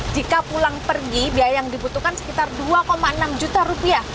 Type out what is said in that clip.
jika pulang pergi biaya yang dibutuhkan sekitar dua enam juta rupiah